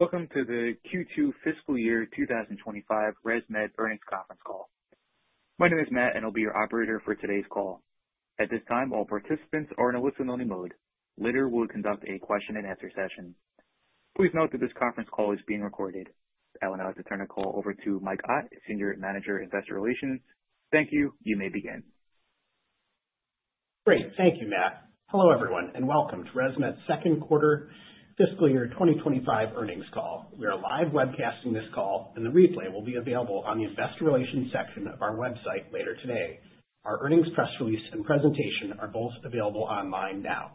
Welcome to the Q2 Fiscal Year 2025 ResMed Earnings Conference Call. My name is Matt, and I'll be your operator for today's call. At this time, all participants are in a listen-only mode. Later, we'll conduct a question-and-answer session. Please note that this conference call is being recorded. I will now turn the call over to Uncertain, Senior Manager, Investor Relations. Thank you. You may begin. Great. Thank you, Matt. Hello, everyone, and welcome to ResMed's Second Quarter Fiscal Year 2025 earnings call. We are live webcasting this call, and the replay will be available on the Investor Relations section of our website later today. Our earnings press release and presentation are both available online now.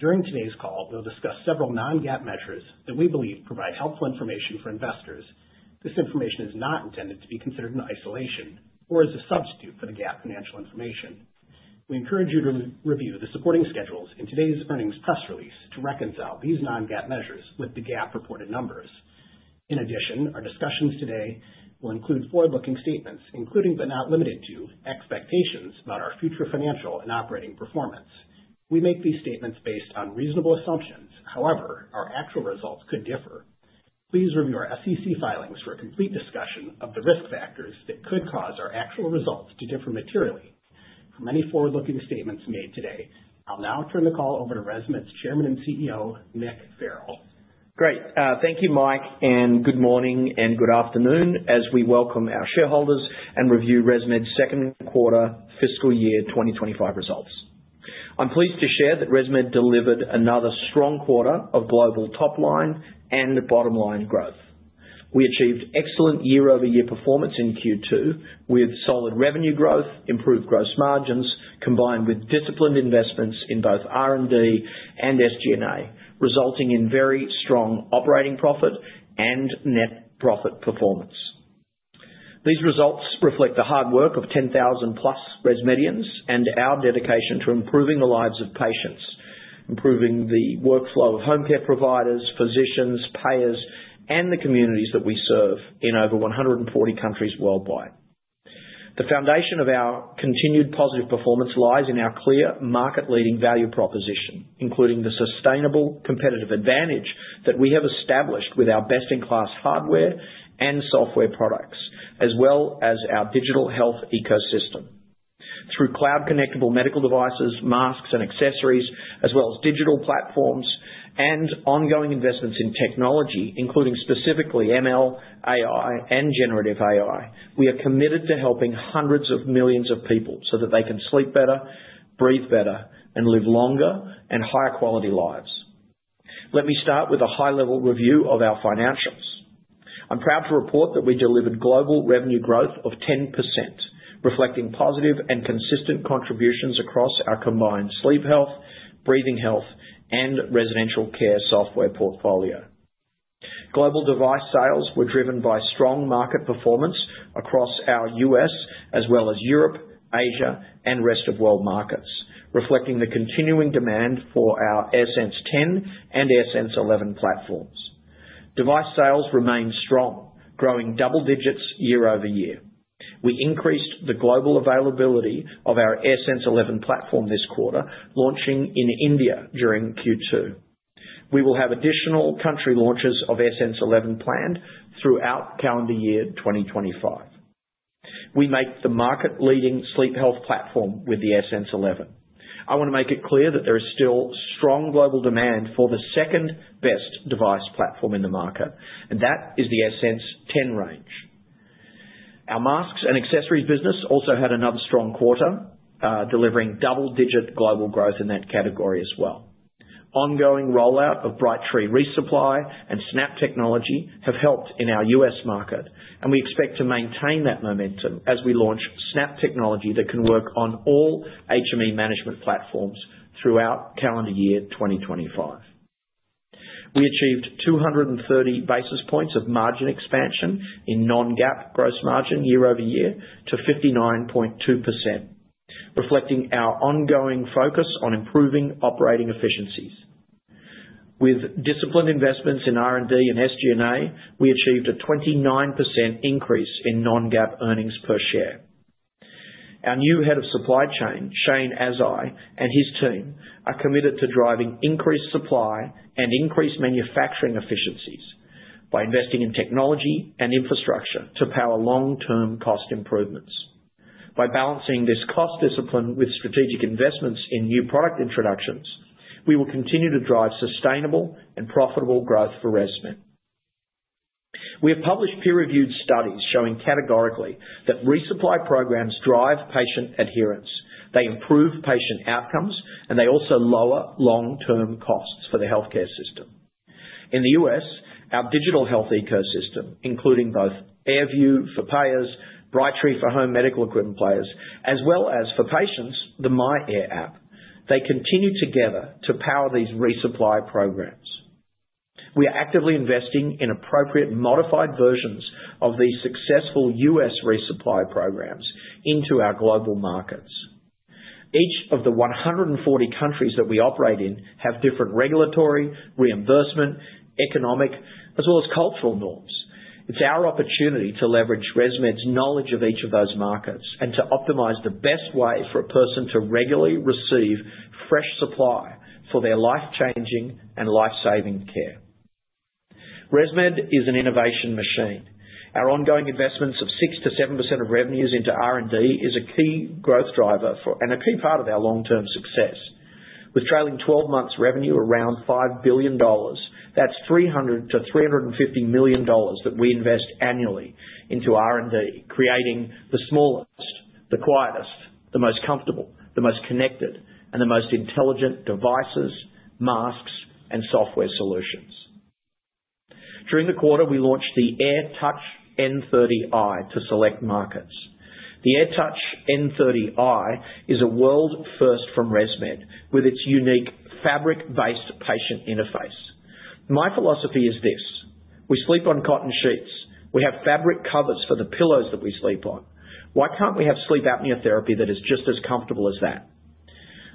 During today's call, we'll discuss several Non-GAAP measures that we believe provide helpful information for investors. This information is not intended to be considered in isolation or as a substitute for the GAAP financial information. We encourage you to review the supporting schedules in today's earnings press release to reconcile these Non-GAAP measures with the GAAP reported numbers. In addition, our discussions today will include forward-looking statements, including but not limited to expectations about our future financial and operating performance. We make these statements based on reasonable assumptions. However, our actual results could differ. Please review our SEC filings for a complete discussion of the risk factors that could cause our actual results to differ materially. For many forward-looking statements made today, I'll now turn the call over to ResMed's Chairman and CEO, Mick Farrell. Great. Thank you, Mike, and good morning and good afternoon as we welcome our Shareholders and Review ResMed's Second Quarter Fiscal Year 2025 Results. I'm pleased to share that ResMed delivered another strong quarter of global top-line and bottom-line growth. We achieved excellent year-over-year performance in Q2 with solid revenue growth, improved gross margins combined with disciplined investments in both R&D and SG&A, resulting in very strong operating profit and net profit performance. These results reflect the hard work of 10,000-plus ResMedians and our dedication to improving the lives of patients, improving the workflow of home care providers, physicians, payers, and the communities that we serve in over 140 countries worldwide. The foundation of our continued positive performance lies in our clear market-leading value proposition, including the sustainable competitive advantage that we have established with our best-in-class hardware and software products, as well as our digital health ecosystem. Through cloud-connectable medical devices, masks and accessories, as well as digital platforms and ongoing investments in technology, including specifically ML, AI, and generative AI, we are committed to helping hundreds of millions of people so that they can sleep better, breathe better, and live longer and higher-quality lives. Let me start with a high-level review of our financials. I'm proud to report that we delivered global revenue growth of 10%, reflecting positive and consistent contributions across our combined sleep health, breathing health, and residential care software portfolio. Global device sales were driven by strong market performance across our U.S., as well as Europe, Asia, and rest of world markets, reflecting the continuing demand for our AirSense 10 and AirSense 11 platforms. Device sales remained strong, growing double digits year over year. We increased the global availability of our AirSense 11 platform this quarter, launching in India during Q2. We will have additional country launches of AirSense 11 planned throughout calendar year 2025. We make the market-leading sleep health platform with the AirSense 11. I want to make it clear that there is still strong global demand for the second-best device platform in the market, and that is the AirSense 10 range. Our masks and accessories business also had another strong quarter, delivering double-digit global growth in that category as well. Ongoing rollout of Brightree ReSupply and Snap Technology have helped in our U.S. market, and we expect to maintain that momentum as we launch Snap Technology that can work on all HME management platforms throughout calendar year 2025. We achieved 230 basis points of margin expansion in Non-GAAP gross margin year-over-year to 59.2%, reflecting our ongoing focus on improving operating efficiencies. With disciplined investments in R&D and SG&A, we achieved a 29% increase in Non-GAAP earnings per share. Our new head of supply chain, Shane Azzi, and his team are committed to driving increased supply and increased manufacturing efficiencies by investing in technology and infrastructure to power long-term cost improvements. By balancing this cost discipline with strategic investments in new product introductions, we will continue to drive sustainable and profitable growth for ResMed. We have published peer-reviewed studies showing categorically that resupply programs drive patient adherence. They improve patient outcomes, and they also lower long-term costs for the healthcare system. In the U.S., our digital health ecosystem, including both AirView for payers, Brightree for home medical equipment players, as well as for patients, the myAir app, they continue together to power these resupply programs. We are actively investing in appropriate modified versions of these successful U.S. resupply programs into our global markets. Each of the 140 countries that we operate in have different regulatory, reimbursement, economic, as well as cultural norms. It's our opportunity to leverage ResMed's knowledge of each of those markets and to optimize the best way for a person to regularly receive fresh supply for their life-changing and life-saving care. ResMed is an innovation machine. Our ongoing investments of 6%-7% of revenues into R&D is a key growth driver and a key part of our long-term success. With trailing 12 months' revenue around $5 billion, that's $300 million-$350 million that we invest annually into R&D, creating the smallest, the quietest, the most comfortable, the most connected, and the most intelligent devices, masks, and software solutions. During the quarter, we launched the AirTouch N30i to select markets. The AirTouch N30i is a world-first from ResMed with its unique fabric-based patient interface. My philosophy is this: we sleep on cotton sheets. We have fabric covers for the pillows that we sleep on. Why can't we have sleep apnea therapy that is just as comfortable as that?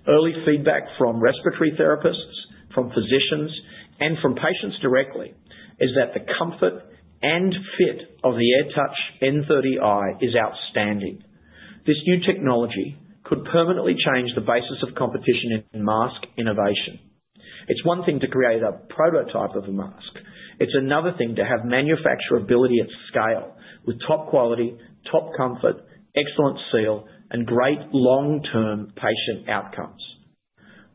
Early feedback from respiratory therapists, from physicians, and from patients directly is that the comfort and fit of the AirTouch N30i is outstanding. This new technology could permanently change the basis of competition in mask innovation. It's one thing to create a prototype of a mask. It's another thing to have manufacturability at scale with top quality, top comfort, excellent seal, and great long-term patient outcomes.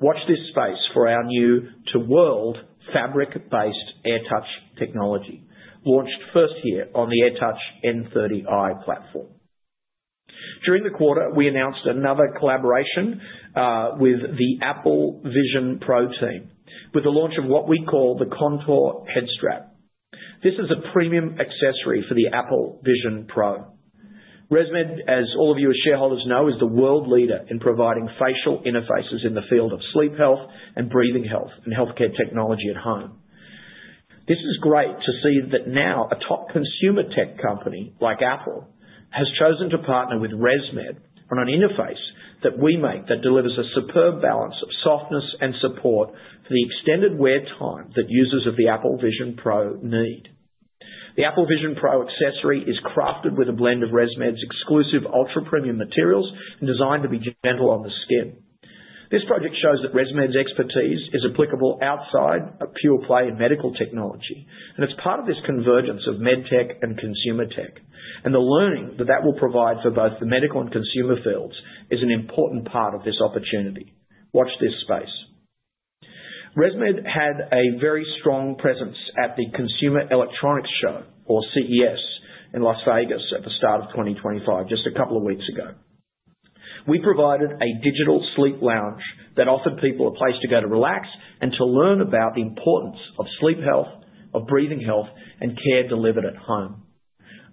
Watch this space for our new-to-world fabric-based AirTouch technology, launched first here on the AirTouch N30i platform. During the quarter, we announced another collaboration with the Apple Vision Pro team, with the launch of what we call the Contour Headstrap. This is a premium accessory for the Apple Vision Pro. ResMed, as all of you as shareholders know, is the world leader in providing facial interfaces in the field of sleep health and breathing health and healthcare technology at home. This is great to see that now a top consumer tech company like Apple has chosen to partner with ResMed on an interface that we make that delivers a superb balance of softness and support for the extended wear time that users of the Apple Vision Pro need. The Apple Vision Pro accessory is crafted with a blend of ResMed's exclusive ultra-premium materials and designed to be gentle on the skin. This project shows that ResMed's expertise is applicable outside of pure play in medical technology, and it's part of this convergence of med tech and consumer tech. The learning that that will provide for both the medical and consumer fields is an important part of this opportunity. Watch this space. ResMed had a very strong presence at the Consumer Electronics Show, or CES, in Las Vegas at the start of 2025, just a couple of weeks ago. We provided a digital sleep lounge that offered people a place to go to relax and to learn about the importance of sleep health, of breathing health, and care delivered at home.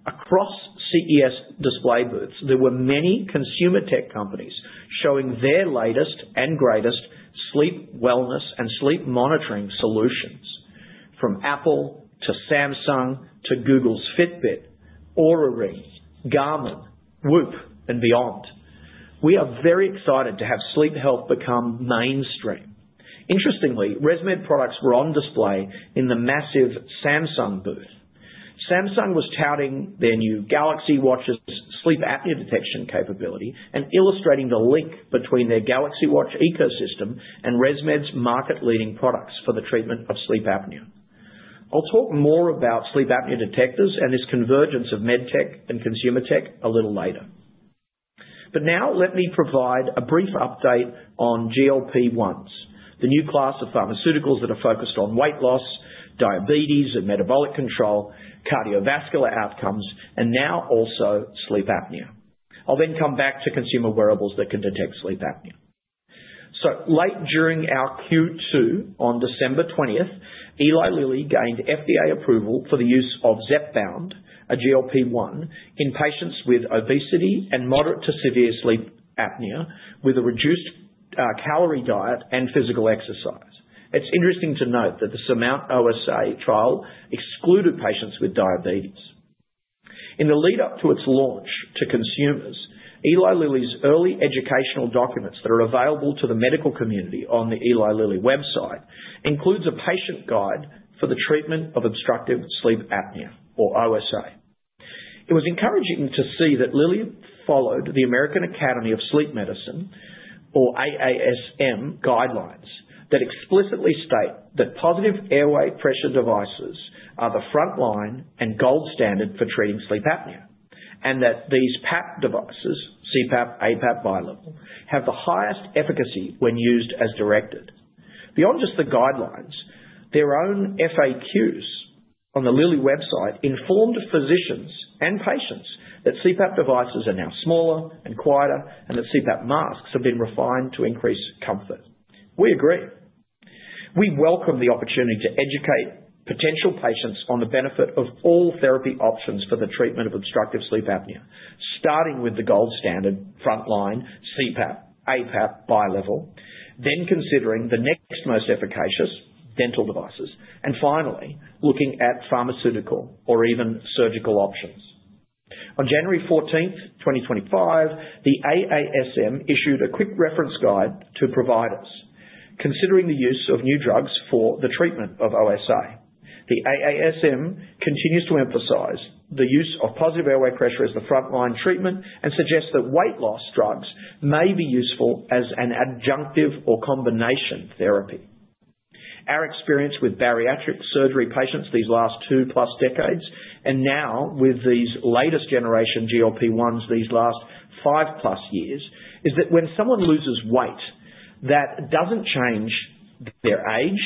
Across CES display booths, there were many consumer tech companies showing their latest and greatest sleep wellness and sleep monitoring solutions, from Apple to Samsung to Google's Fitbit, Oura Ring, Garmin, WHOOP, and beyond. We are very excited to have sleep health become mainstream. Interestingly, ResMed products were on display in the massive Samsung booth. Samsung was touting their new Galaxy Watch's sleep apnea detection capability and illustrating the link between their Galaxy Watch ecosystem and ResMed's market-leading products for the treatment of sleep apnea. I'll talk more about sleep apnea detectors and this convergence of med tech and consumer tech a little later. But now let me provide a brief update on GLP-1s, the new class of pharmaceuticals that are focused on weight loss, diabetes and metabolic control, cardiovascular outcomes, and now also sleep apnea. I'll then come back to consumer wearables that can detect sleep apnea. Late during our Q2, on December 20th, Eli Lilly gained FDA approval for the use of Zepbound, a GLP-1, in patients with obesity and moderate to severe sleep apnea with a reduced calorie diet and physical exercise. It's interesting to note that the SURMOUNT-OSA trial excluded patients with diabetes. In the lead-up to its launch to consumers, Eli Lilly's early educational documents that are available to the medical community on the Eli Lilly website include a patient guide for the treatment of obstructive sleep apnea, or OSA. It was encouraging to see that Lilly followed the American Academy of Sleep Medicine, or AASM, guidelines that explicitly state that positive airway pressure devices are the frontline and gold standard for treating sleep apnea, and that these PAP devices, CPAP, APAP, bilevel, have the highest efficacy when used as directed. Beyond just the guidelines, their own FAQs on the Lilly website informed physicians and patients that CPAP devices are now smaller and quieter and that CPAP masks have been refined to increase comfort. We agree. We welcome the opportunity to educate potential patients on the benefit of all therapy options for the treatment of obstructive sleep apnea, starting with the gold standard frontline, CPAP, APAP, bilevel, then considering the next most efficacious, dental devices, and finally looking at pharmaceutical or even surgical options. On January 14th, 2025, the AASM issued a quick reference guide to providers considering the use of new drugs for the treatment of OSA. The AASM continues to emphasize the use of positive airway pressure as the frontline treatment and suggests that weight loss drugs may be useful as an adjunctive or combination therapy. Our experience with bariatric surgery patients these last two-plus decades and now with these latest-generation GLP-1 these last five-plus years is that when someone loses weight, that doesn't change their age,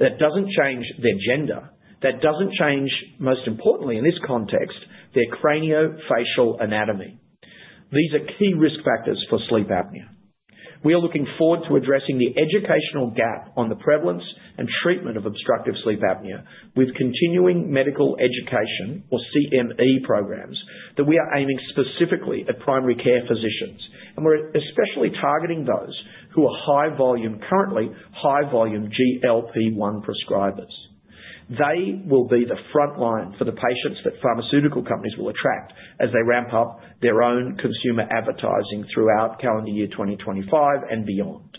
that doesn't change their gender, that doesn't change, most importantly in this context, their craniofacial anatomy. These are key risk factors for sleep apnea. We are looking forward to addressing the educational gap on the prevalence and treatment of obstructive sleep apnea with continuing medical education, or CME, programs that we are aiming specifically at primary care physicians, and we're especially targeting those who are high volume, currently high volume GLP-1 prescribers. They will be the frontline for the patients that pharmaceutical companies will attract as they ramp up their own consumer advertising throughout calendar year 2025 and beyond.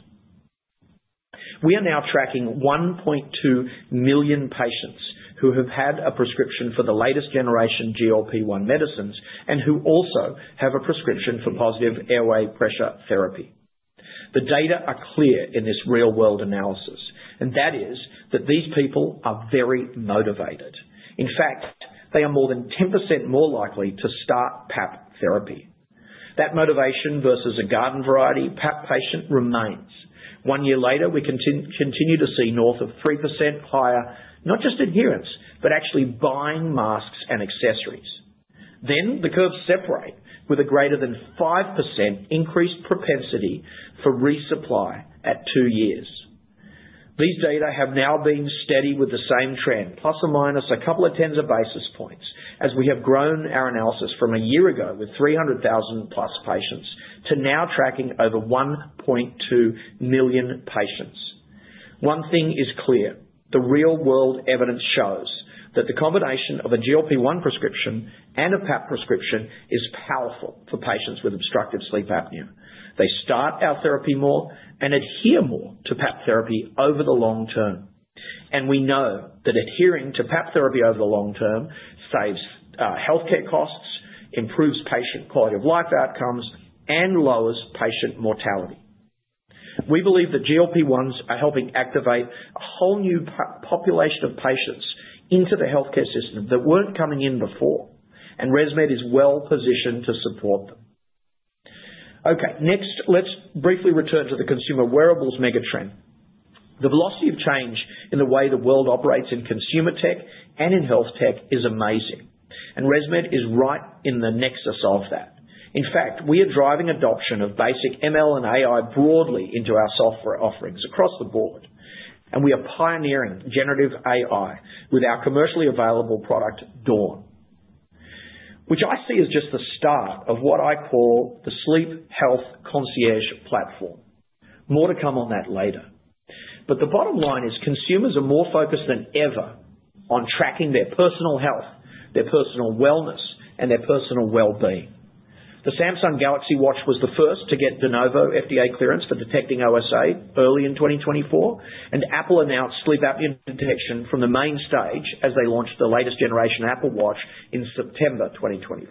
We are now tracking 1.2 million patients who have had a prescription for the latest-generation GLP-1 medicines and who also have a prescription for positive airway pressure therapy. The data are clear in this real-world analysis, and that is that these people are very motivated. In fact, they are more than 10% more likely to start PAP therapy. That motivation versus a garden-variety PAP patient remains. One year later, we continue to see north of 3% higher, not just adherence, but actually buying masks and accessories. Then the curves separate with a greater than 5% increased propensity for resupply at two years. These data have now been steady with the same trend, plus or minus a couple of tens of basis points, as we have grown our analysis from a year ago with 300,000 plus patients to now tracking over 1.2 million patients. One thing is clear. The real-world evidence shows that the combination of a GLP-1 prescription and a PAP prescription is powerful for patients with obstructive sleep apnea. They start our therapy more and adhere more to PAP therapy over the long term, and we know that adhering to PAP therapy over the long term saves healthcare costs, improves patient quality of life outcomes, and lowers patient mortality. We believe that GLP-1s are helping activate a whole new population of patients into the healthcare system that weren't coming in before, and ResMed is well-positioned to support them. Okay, next, let's briefly return to the consumer wearables megatrend. The velocity of change in the way the world operates in consumer tech and in health tech is amazing, and ResMed is right in the nexus of that. In fact, we are driving adoption of basic ML and AI broadly into our software offerings across the board, and we are pioneering generative AI with our commercially available product, Dawn, which I see as just the start of what I call the sleep health concierge platform. More to come on that later. But the bottom line is consumers are more focused than ever on tracking their personal health, their personal wellness, and their personal well-being. The Samsung Galaxy Watch was the first to get De Novo FDA clearance for detecting OSA early in 2024, and Apple announced sleep apnea detection from the main stage as they launched the latest-generation Apple Watch in September 2024.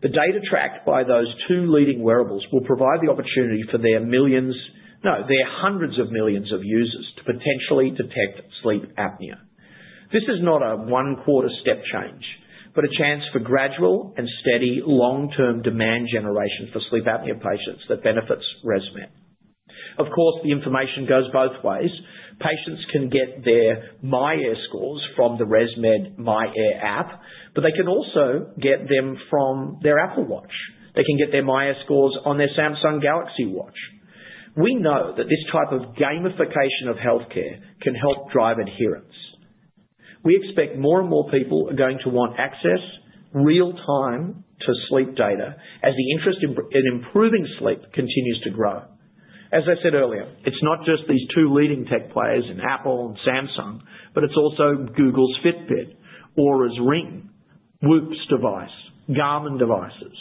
The data tracked by those two leading wearables will provide the opportunity for their millions-no, their hundreds of millions of users-to potentially detect sleep apnea. This is not a one-quarter step change, but a chance for gradual and steady long-term demand generation for sleep apnea patients that benefits ResMed. Of course, the information goes both ways. Patients can get their myAir scores from the ResMed myAir app, but they can also get them from their Apple Watch. They can get their myAir scores on their Samsung Galaxy Watch. We know that this type of gamification of healthcare can help drive adherence. We expect more and more people are going to want access, real-time, to sleep data, as the interest in improving sleep continues to grow. As I said earlier, it's not just these two leading tech players in Apple and Samsung, but it's also Google's Fitbit, Oura Ring, WHOOP's device, Garmin devices,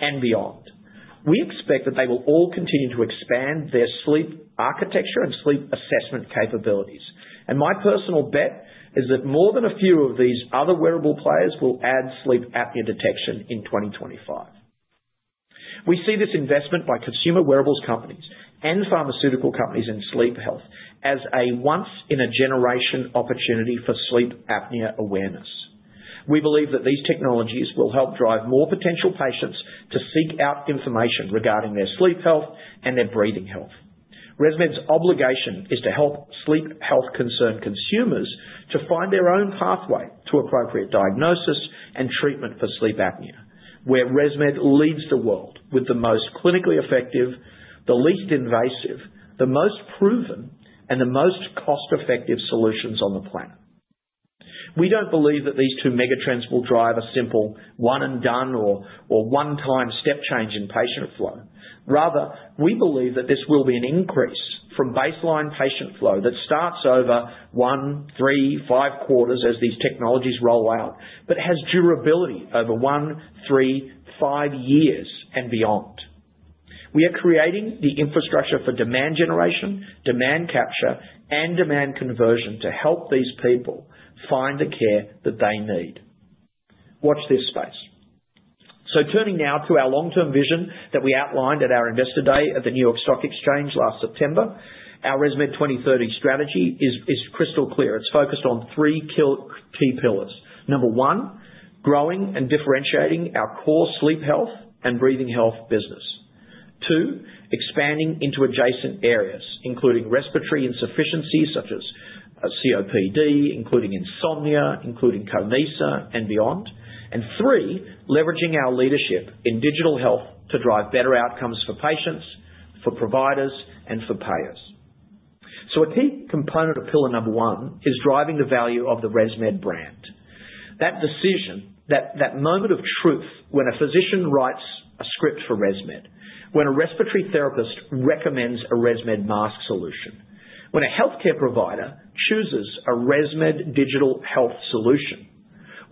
and beyond. We expect that they will all continue to expand their sleep architecture and sleep assessment capabilities, and my personal bet is that more than a few of these other wearable players will add sleep apnea detection in 2025. We see this investment by consumer wearables companies and pharmaceutical companies in sleep health as a once-in-a-generation opportunity for sleep apnea awareness. We believe that these technologies will help drive more potential patients to seek out information regarding their sleep health and their breathing health. ResMed's obligation is to help sleep health concerned consumers to find their own pathway to appropriate diagnosis and treatment for sleep apnea, where ResMed leads the world with the most clinically effective, the least invasive, the most proven, and the most cost-effective solutions on the planet. We don't believe that these two megatrends will drive a simple one-and-done or one-time step change in patient flow. Rather, we believe that this will be an increase from baseline patient flow that starts over one, three, five quarters as these technologies roll out, but has durability over one, three, five years and beyond. We are creating the infrastructure for demand generation, demand capture, and demand conversion to help these people find the care that they need. Watch this space, so turning now to our long-term vision that we outlined at our investor day at the New York Stock Exchange last September, our ResMed 2030 strategy is crystal clear. It's focused on three key pillars. Number one, growing and differentiating our core sleep health and breathing health business. Two, expanding into adjacent areas, including respiratory insufficiencies such as COPD, including insomnia, including COMISA, and beyond, and three, leveraging our leadership in digital health to drive better outcomes for patients, for providers, and for payers. A key component of pillar number one is driving the value of the ResMed brand. That decision, that moment of truth when a Physician writes a script for ResMed, when a respiratory therapist recommends a ResMed mask solution, when a healthcare provider chooses a ResMed digital health solution,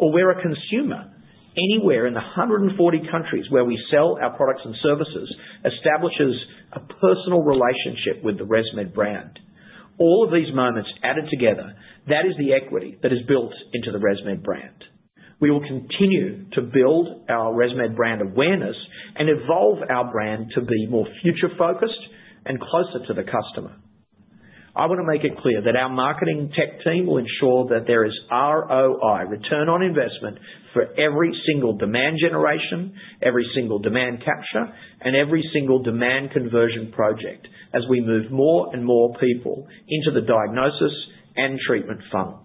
or where a consumer anywhere in the 140 countries where we sell our products and services establishes a personal relationship with the ResMed brand. All of these moments added together, that is the equity that is built into the ResMed brand. We will continue to build our ResMed brand awareness and evolve our brand to be more future-focused and closer to the customer. I want to make it clear that our marketing tech team will ensure that there is ROI, return on investment, for every single demand generation, every single demand capture, and every single demand conversion project as we move more and more people into the diagnosis and treatment funnel.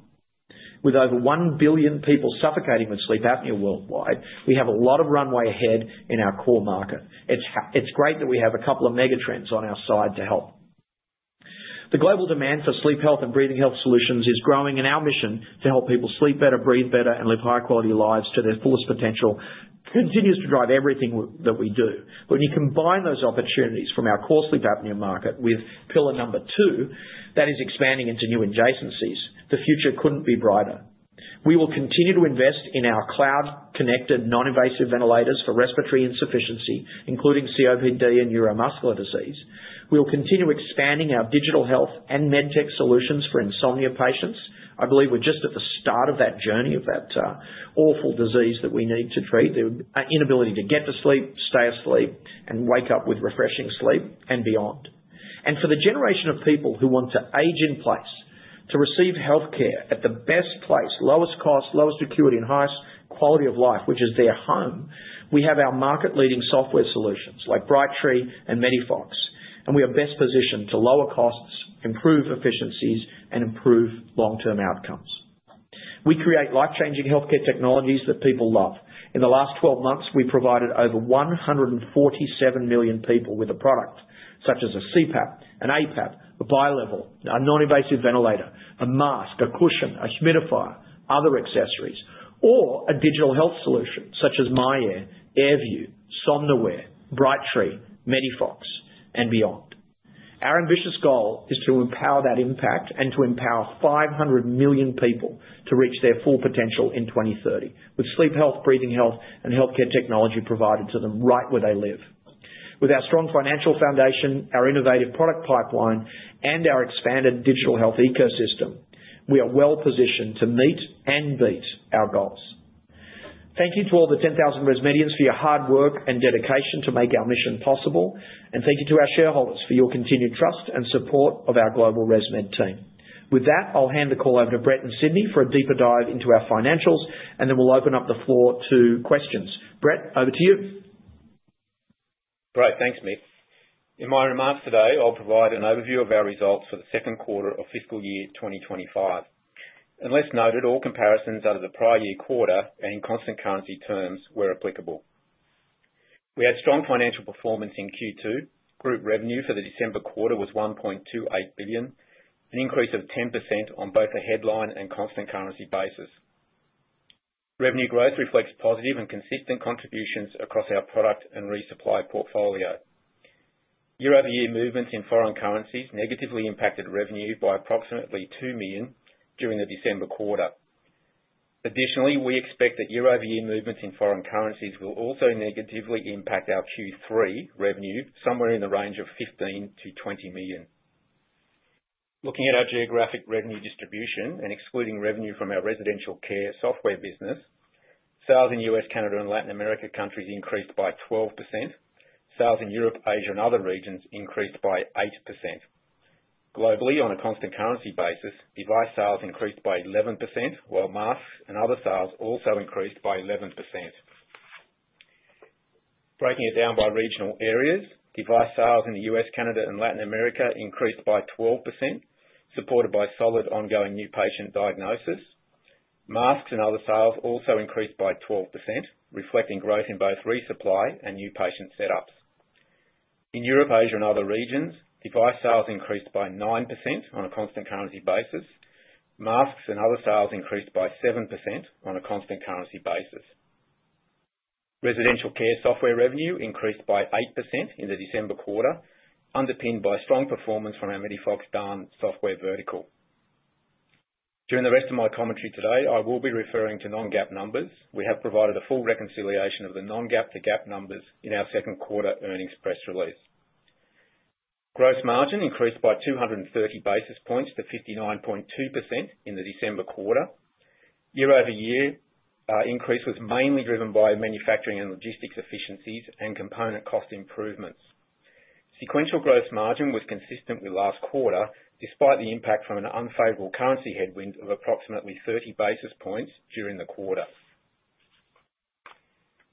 With over one billion people suffocating with sleep apnea worldwide, we have a lot of runway ahead in our core market. It's great that we have a couple of megatrends on our side to help. The global demand for sleep health and breathing health solutions is growing, and our mission to help people sleep better, breathe better, and live high-quality lives to their fullest potential continues to drive everything that we do, but when you combine those opportunities from our core sleep apnea market with pillar number two, that is expanding into new adjacencies, the future couldn't be brighter. We will continue to invest in our cloud-connected non-invasive ventilators for respiratory insufficiency, including COPD and neuromuscular disease. We will continue expanding our digital health and medtech solutions for insomnia patients. I believe we're just at the start of that journey of that awful disease that we need to treat, the inability to get to sleep, stay asleep, and wake up with refreshing sleep and beyond. And for the generation of people who want to age in place, to receive healthcare at the best place, lowest cost, lowest acuity, and highest quality of life, which is their home, we have our market-leading software solutions like Brightree and MediFox, and we are best positioned to lower costs, improve efficiencies, and improve long-term outcomes. We create life-changing healthcare technologies that people love. In the last 12 months, we provided over 147 million people with a product such as a CPAP, an APAP, a bilevel, a non-invasive ventilator, a mask, a cushion, a humidifier, other accessories, or a digital health solution such as myAir, AirView, Somnoware, Brightree, MediFox Dan, and beyond. Our ambitious goal is to empower that impact and to empower 500 million people to reach their full potential in 2030 with sleep health, breathing health, and healthcare technology provided to them right where they live. With our strong financial foundation, our innovative product pipeline, and our expanded digital health ecosystem, we are well-positioned to meet and beat our goals. Thank you to all the 10,000 ResMedians for your hard work and dedication to make our mission possible, and thank you to our shareholders for your continued trust and support of our global ResMed team. With that, I'll hand the call over to Brett and Sydney for a deeper dive into our financials, and then we'll open up the floor to questions. Brett, over to you. Great. Thanks, Mick. In my remarks today, I'll provide an overview of our results for the second quarter of fiscal year 2025, and lastly, all comparisons to the prior year quarter and in constant currency terms where applicable. We had strong financial performance in Q2. Group revenue for the December quarter was $1.28 billion, an increase of 10% on both a headline and constant currency basis. Revenue growth reflects positive and consistent contributions across our product and resupply portfolio. Year-over-year movements in foreign currencies negatively impacted revenue by approximately $2 million during the December quarter. Additionally, we expect that year-over-year movements in foreign currencies will also negatively impact our Q3 revenue, somewhere in the range of $15 million-$20 million. Looking at our geographic revenue distribution and excluding revenue from our residential care software business, sales in U.S., Canada, and Latin America countries increased by 12%. Sales in Europe, Asia, and other regions increased by 8%. Globally, on a constant currency basis, device sales increased by 11%, while masks and other sales also increased by 11%. Breaking it down by regional areas, device sales in the U.S., Canada, and Latin America increased by 12%, supported by solid ongoing new patient diagnosis. Masks and other sales also increased by 12%, reflecting growth in both resupply and new patient setups. In Europe, Asia, and other regions, device sales increased by 9% on a constant currency basis. Masks and other sales increased by 7% on a constant currency basis. Residential care software revenue increased by 8% in the December quarter, underpinned by strong performance from our MediFox DAN software vertical. During the rest of my commentary today, I will be referring to non-GAAP numbers. We have provided a full reconciliation of the Non-GAAP to GAAP numbers in our second quarter earnings press release. Gross margin increased by 230 basis points to 59.2% in the December quarter. Year-over-year increase was mainly driven by manufacturing and logistics efficiencies and component cost improvements. Sequential gross margin was consistent with last quarter, despite the impact from an unfavorable currency headwind of approximately 30 basis points during the quarter.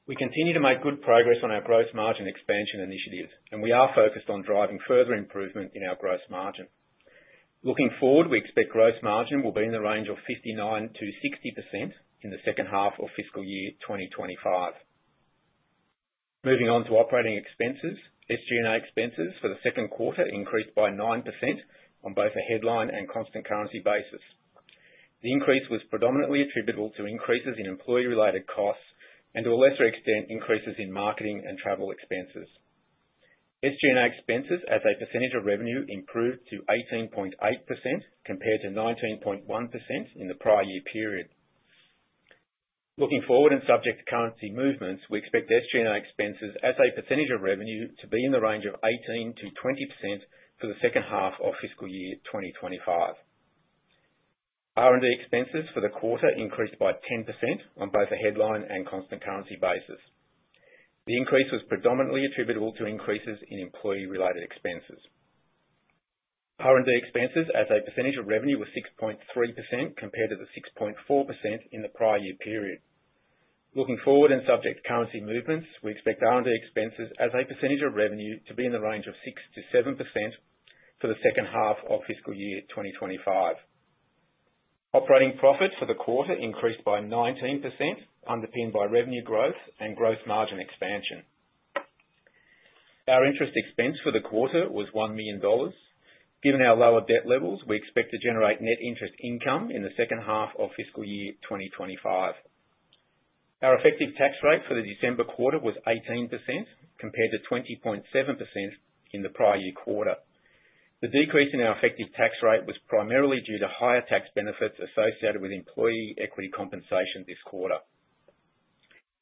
We continue to make good progress on our gross margin expansion initiatives, and we are focused on driving further improvement in our gross margin. Looking forward, we expect gross margin will be in the range of 59%-60% in the second half of Fiscal Year 2025. Moving on to operating expenses, SG&A expenses for the second quarter increased by 9% on both a headline and constant currency basis. The increase was predominantly attributable to increases in employee-related costs and, to a lesser extent, increases in marketing and travel expenses. SG&A expenses as a percentage of revenue improved to 18.8% compared to 19.1% in the prior year period. Looking forward and subject to currency movements, we expect SG&A expenses as a percentage of revenue to be in the range of 18%-20% for the second half of Fiscal Year 2025. R&D expenses for the quarter increased by 10% on both a headline and constant currency basis. The increase was predominantly attributable to increases in employee-related expenses. R&D expenses as a percentage of revenue was 6.3% compared to the 6.4% in the prior year period. Looking forward and subject to currency movements, we expect R&D expenses as a percentage of revenue to be in the range of 6%-7% for the second half of Fiscal Year 2025. Operating profit for the quarter increased by 19%, underpinned by revenue growth and gross margin expansion. Our interest expense for the quarter was $1 million. Given our lower debt levels, we expect to generate net interest income in the second half of fiscal year 2025. Our effective tax rate for the December quarter was 18% compared to 20.7% in the prior year quarter. The decrease in our effective tax rate was primarily due to higher tax benefits associated with employee equity compensation this quarter.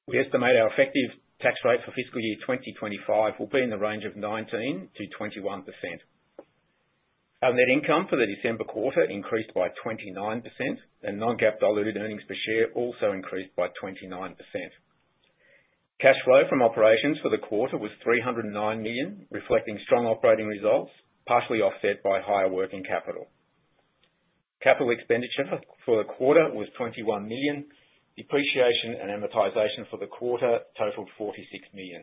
We estimate our effective tax rate for fiscal year 2025 will be in the range of 19%-21%. Our net income for the December quarter increased by 29%, and Non-GAAP diluted earnings per share also increased by 29%. Cash flow from operations for the quarter was $309 million, reflecting strong operating results, partially offset by higher working capital. Capital expenditure for the quarter was $21 million. Depreciation and amortization for the quarter totaled $46 million.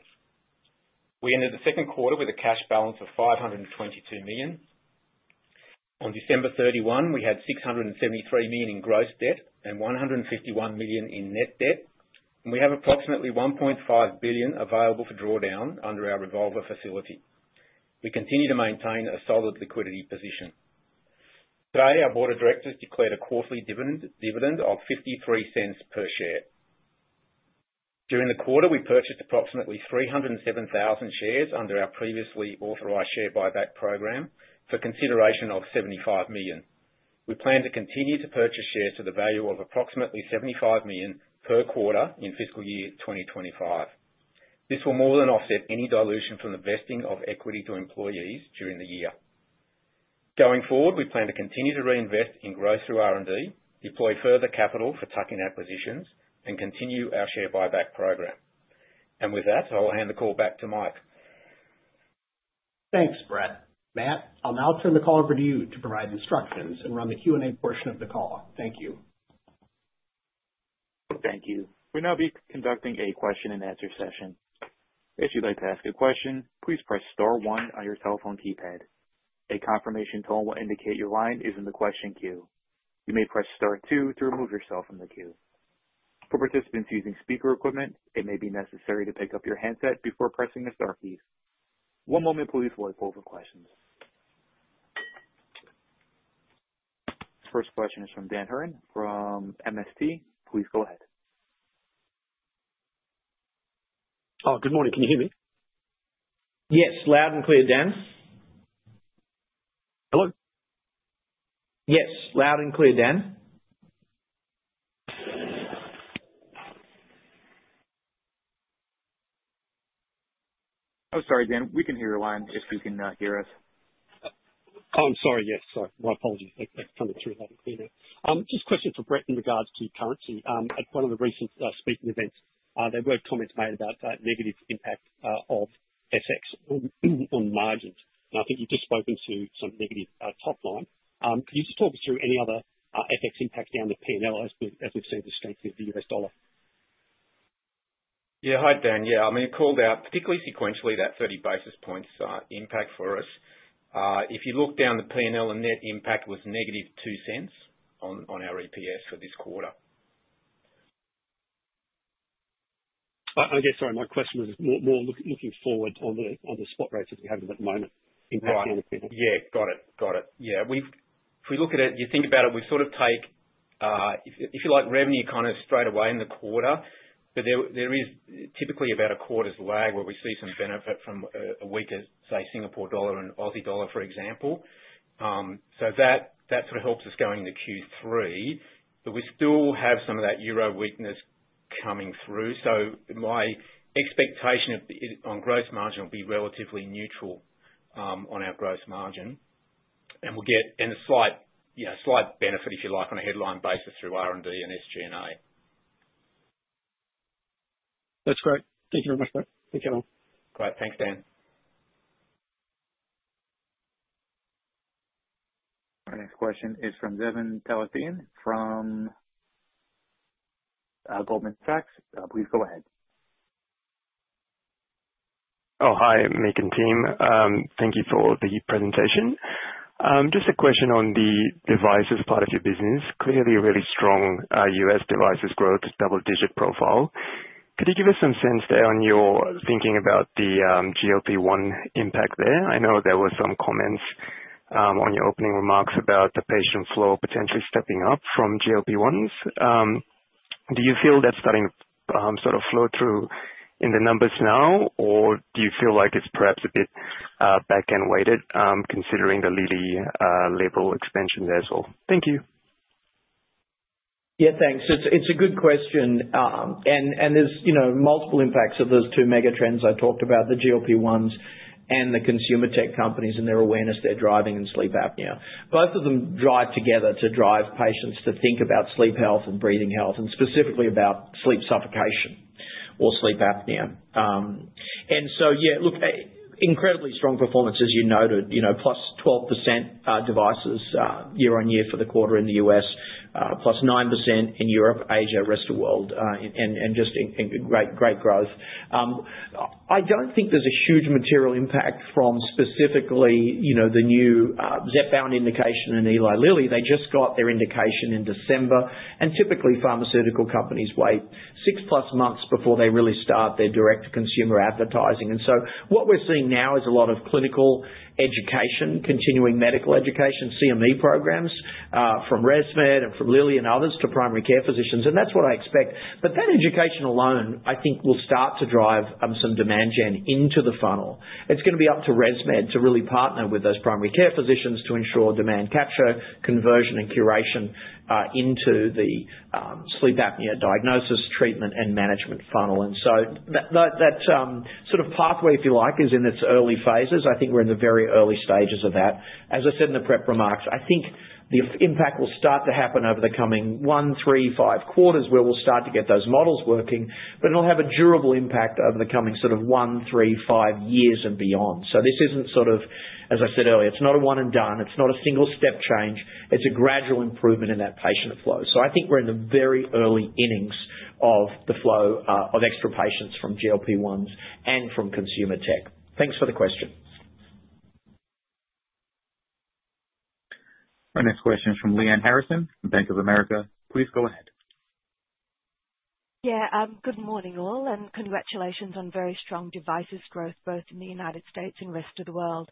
We ended the second quarter with a cash balance of $522 million. On December 31, we had $673 million in gross debt and $151 million in net debt, and we have approximately $1.5 billion available for drawdown under our revolver facility. We continue to maintain a solid liquidity position. Today, our board of directors declared a quarterly dividend of $0.53 per share. During the quarter, we purchased approximately 307,000 shares under our previously authorized share buyback program for consideration of $75 million. We plan to continue to purchase shares to the value of approximately $75 million per quarter in fiscal year 2025. This will more than offset any dilution from the vesting of equity to employees during the year. Going forward, we plan to continue to reinvest in growth through R&D, deploy further capital for tuck-in acquisitions, and continue our share buyback program, and with that, I'll hand the call back to Mike. Thanks, Brett. Matt, I'll now turn the call over to you to provide instructions and run the Q&A portion of the call. Thank you. Thank you. We'll now be conducting a question-and-answer session. If you'd like to ask a question, please press star one on your telephone keypad. A confirmation tone will indicate your line is in the question queue. You may press star two to remove yourself from the queue. For participants using speaker equipment, it may be necessary to pick up your handset before pressing the star keys. One moment, please, for the poll for questions. First question is from Dan Hurren from MST. Please go ahead. Oh, good morning. Can you hear me? Yes, loud and clear, Dan. Hello? Yes, loud and clear, Dan. Oh, sorry, Dan. We can hear your line if you can hear us. Oh, I'm sorry. Yes, sorry. Well, I apologize. I've come through loud and clear now. Just a question for Brett in regards to currency. At one of the recent speaking events, there were comments made about negative impact of FX on margins. And I think you've just spoken to some negative top line. Could you just talk us through any other FX impact down the P&L as we've seen the strengthening of the US dollar? Yeah. Hi, Dan. Yeah. I mean, it called out particularly, sequentially, that 30 basis points impact for us. If you look down the P&L, the net impact was -$0.02 on our EPS for this quarter. I guess, sorry, my question was more looking forward on the spot rates that we're having at the moment. Right. Yeah. Got it. Got it. Yeah. If you look at it, you think about it, we sort of take, if you like, revenue kind of straight away in the quarter, but there is typically about a quarter's lag where we see some benefit from a weaker, say, Singapore dollar and Aussie dollar, for example. So that sort of helps us go into Q3. But we still have some of that euro weakness coming through. So my expectation on gross margin will be relatively neutral on our gross margin. And we'll get a slight benefit, if you like, on a headline basis through R&D and SG&A. That's great. Thank you very much, Brett. Take care, man. Great. Thanks, Dan. Our next question is from Davin Thillainathan from Goldman Sachs. Please go ahead. Oh, hi, Mick and team. Thank you for the presentation. Just a question on the devices part of your business. Clearly, really strong U.S. devices growth, double-digit profile. Could you give us some sense there on your thinking about the GLP-1 impact there? I know there were some comments on your opening remarks about the patient flow potentially stepping up from GLP-1s. Do you feel that's starting to sort of flow through in the numbers now, or do you feel like it's perhaps a bit back-end weighted considering the Lilly label expansion there as well? Thank you. Yeah, thanks. It's a good question. And there's multiple impacts of those two megatrends I talked about, the GLP-1s and the consumer tech companies and their awareness they're driving in sleep apnea. Both of them drive together to drive patients to think about sleep health and breathing health, and specifically about sleep suffocation or sleep apnea. And so, yeah, look, incredibly strong performance, as you noted, plus 12% devices year-on-year for the quarter in the U.S., plus 9% in Europe, Asia, rest of the world, and just great growth. I don't think there's a huge material impact from specifically the new Zepbound indication and Eli Lilly. They just got their indication in December. And typically, pharmaceutical companies wait six-plus months before they really start their direct-to-consumer advertising. And so what we're seeing now is a lot of clinical education, continuing medical education, CME programs from ResMed and from Lilly and others to primary care physicians. And that's what I expect. But that education alone, I think, will start to drive some demand gen into the funnel. It's going to be up to ResMed to really partner with those primary care physicians to ensure demand capture, conversion, and curation into the sleep apnea diagnosis, treatment, and management funnel. And so that sort of pathway, if you like, is in its early phases. I think we're in the very early stages of that. As I said in the prep remarks, I think the impact will start to happen over the coming one, three, five quarters where we'll start to get those models working, but it'll have a durable impact over the coming sort of one, three, five years and beyond. So this isn't sort of, as I said earlier, it's not a one-and-done. It's not a single-step change. It's a gradual improvement in that patient flow. So I think we're in the very early innings of the flow of extra patients from GLP-1s and from consumer tech. Thanks for the question. Our next question is from Lyanne Harrison from Bank of America. Please go ahead. Yeah. Good morning, all, and congratulations on very strong devices growth both in the United States and rest of the world.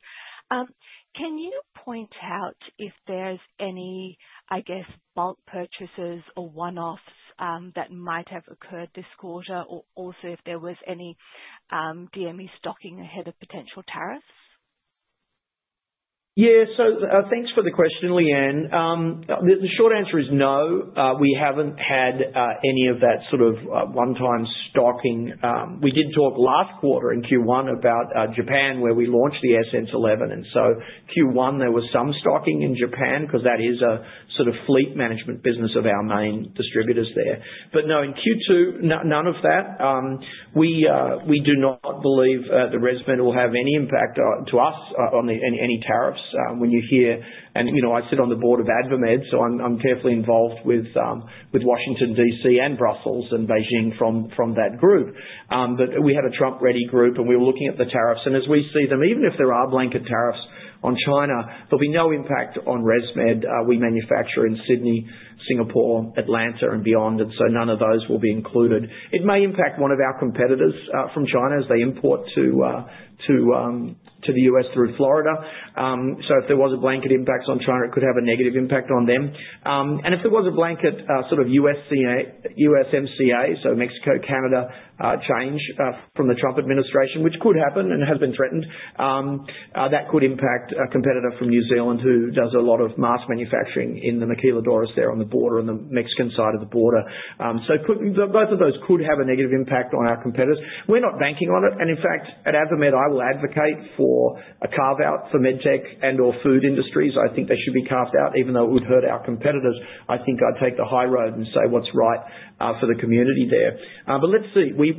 Can you point out if there's any, I guess, bulk purchases or one-offs that might have occurred this quarter, or also if there was any DME stocking ahead of potential tariffs? Yeah. So thanks for the question, Lyanne. The short answer is no. We haven't had any of that sort of one-time stocking. We did talk last quarter in Q1 about Japan, where we launched the AirSense 11. And so Q1, there was some stocking in Japan because that is a sort of fleet management business of our main distributors there. But no, in Q2, none of that. We do not believe that ResMed will have any impact to us on any tariffs. And I sit on the board of AdvaMed, so I'm carefully involved with Washington, D.C., and Brussels and Beijing from that group. But we have a Trump-ready group, and we're looking at the tariffs. And as we see them, even if there are blanket tariffs on China, there'll be no impact on ResMed. We manufacture in Sydney, Singapore, Atlanta, and beyond, and so none of those will be included. It may impact one of our competitors from China as they import to the U.S. through Florida. So if there was a blanket impact on China, it could have a negative impact on them. And if there was a blanket sort of USMCA, so Mexico, Canada change from the Trump administration, which could happen and has been threatened, that could impact a competitor from New Zealand who does a lot of mass manufacturing in the Maquiladoras there on the border on the Mexican side of the border. So both of those could have a negative impact on our competitors. We're not banking on it. And in fact, at AdvaMed, I will advocate for a carve-out for med tech and/or food industries. I think they should be carved out, even though it would hurt our competitors. I think I'd take the high road and say what's right for the community there. But let's see. We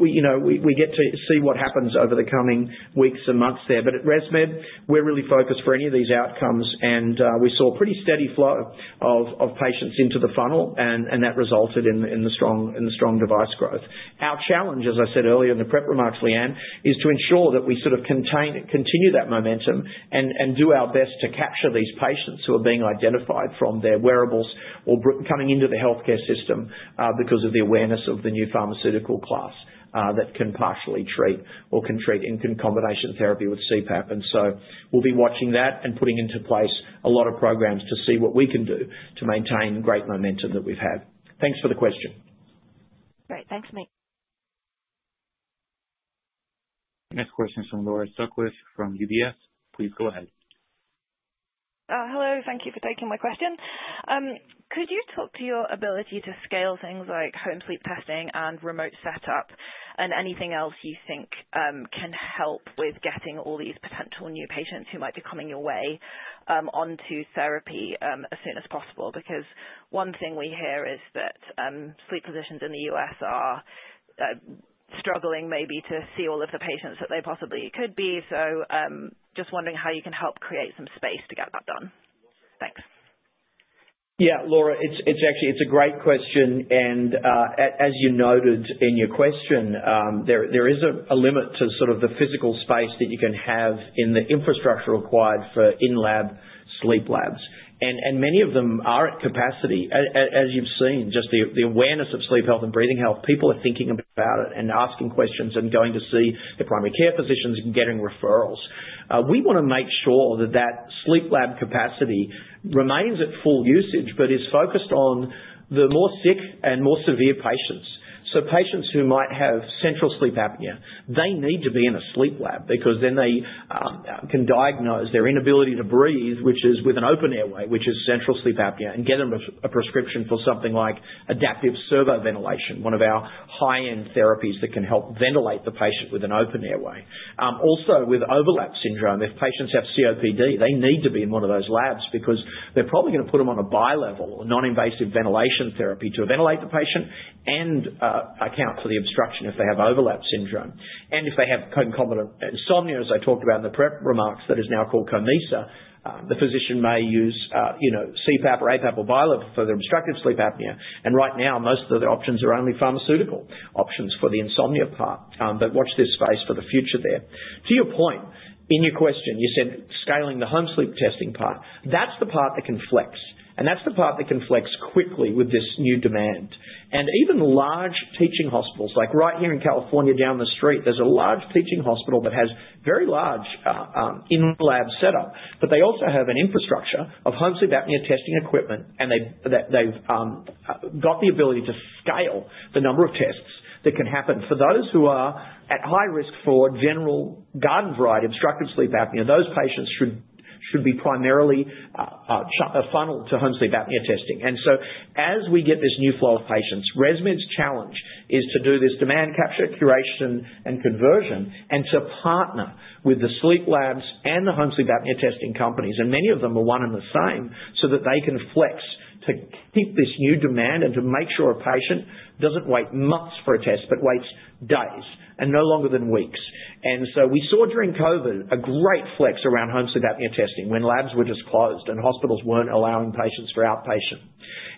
get to see what happens over the coming weeks and months there. But at ResMed, we're really focused for any of these outcomes, and we saw a pretty steady flow of patients into the funnel, and that resulted in the strong device growth. Our challenge, as I said earlier in the prep remarks, Lyanne, is to ensure that we sort of continue that momentum and do our best to capture these patients who are being identified from their wearables or coming into the healthcare system because of the awareness of the new pharmaceutical class that can partially treat or can treat in combination therapy with CPAP. And so we'll be watching that and putting into place a lot of programs to see what we can do to maintain great momentum that we've had. Thanks for the question. Great. Thanks, Mick. Next question is from Laura Sutcliffe from UBS. Please go ahead. Hello. Thank you for taking my question. Could you talk to your ability to scale things like home sleep testing and remote setup and anything else you think can help with getting all these potential new patients who might be coming your way onto therapy as soon as possible? Because one thing we hear is that sleep physicians in the U.S. are struggling maybe to see all of the patients that they possibly could be. So just wondering how you can help create some space to get that done. Thanks. Yeah, Laura, it's actually a great question, and as you noted in your question, there is a limit to sort of the physical space that you can have in the infrastructure required for in-lab sleep labs, and many of them are at capacity, as you've seen, just the awareness of sleep health and breathing health. People are thinking about it and asking questions and going to see their primary care physicians and getting referrals. We want to make sure that that sleep lab capacity remains at full usage but is focused on the more sick and more severe patients. Patients who might have central sleep apnea need to be in a sleep lab because then they can diagnose their inability to breathe, which is with an open airway, which is central sleep apnea, and get them a prescription for something like adaptive servo-ventilation, one of our high-end therapies that can help ventilate the patient with an open airway. Also, with overlap syndrome, if patients have COPD, they need to be in one of those labs because they're probably going to put them on a bilevel or non-invasive ventilation therapy to ventilate the patient and account for the obstruction if they have overlap syndrome. If they have concomitant insomnia, as I talked about in the prep remarks, that is now called COMISA; the physician may use CPAP or APAP or bilevel for the obstructive sleep apnea. Right now, most of the options are only pharmaceutical options for the insomnia part. But watch this space for the future there. To your point, in your question, you said scaling the home sleep testing part. That's the part that can flex. And that's the part that can flex quickly with this new demand. And even large teaching hospitals, like right here in California down the street, there's a large teaching hospital that has very large in-lab setup, but they also have an infrastructure of home sleep apnea testing equipment, and they've got the ability to scale the number of tests that can happen. For those who are at high risk for general garden variety obstructive sleep apnea, those patients should be primarily funneled to home sleep apnea testing. And so as we get this new flow of patients, ResMed's challenge is to do this demand capture, curation, and conversion, and to partner with the sleep labs and the home sleep apnea testing companies. And many of them are one and the same so that they can flex to keep this new demand and to make sure a patient doesn't wait months for a test but waits days and no longer than weeks. And so we saw during COVID a great flex around home sleep apnea testing when labs were just closed and hospitals weren't allowing patients for outpatient.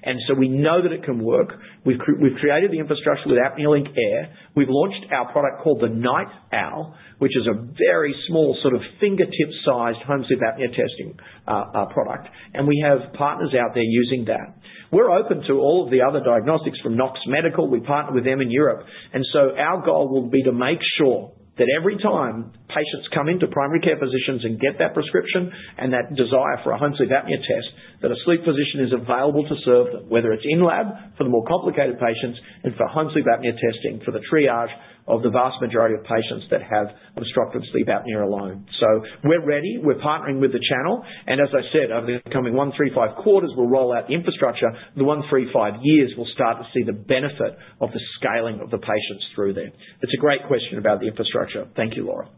And so we know that it can work. We've created the infrastructure with ApneaLink Air. We've launched our product called the NightOwl, which is a very small sort of fingertip-sized home sleep apnea testing product. And we have partners out there using that. We're open to all of the other diagnostics from Nox Medical. We partner with them in Europe. And so our goal will be to make sure that every time patients come into primary care physicians and get that prescription and that desire for a home sleep apnea test, that a sleep physician is available to serve them, whether it's in-lab for the more complicated patients and for home sleep apnea testing for the triage of the vast majority of patients that have obstructive sleep apnea alone. So we're ready. We're partnering with the channel. And as I said, over the coming one, three, five quarters, we'll roll out the infrastructure. The one, three, five years, we'll start to see the benefit of the scaling of the patients through there. It's a great question about the infrastructure. Thank you, Laura.